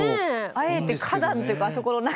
あえて花壇っていうかあそこの中。